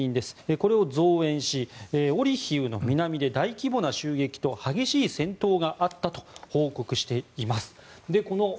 これを増援しオリヒウの南で大規模な襲撃と激しい戦闘があったと報告しています。